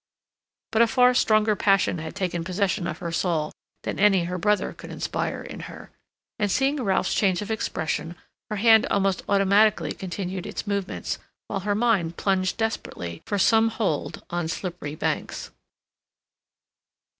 But a far stronger passion had taken possession of her soul than any her brother could inspire in her, and, seeing Ralph's change of expression, her hand almost automatically continued its movements, while her mind plunged desperately for some hold upon slippery banks.